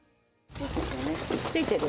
ついてる？